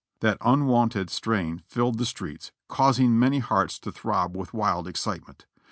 That unwonted strain filled the streets, causing many hearts to throb with wild excitement.